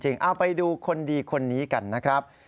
เอาไปดูคนดีคนนี้กันนะครับ